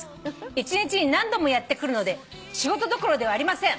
「一日に何度もやって来るので仕事どころではありません」